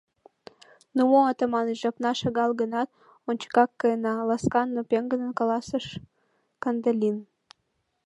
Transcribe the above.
— Ну мо, Атаманыч, жапна шагал гынат, ончыкак каена, — ласкан, но пеҥгыдын каласыш Кандалин.